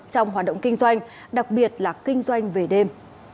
trong hoạt động kinh doanh đặc biệt là kinh doanh về đêm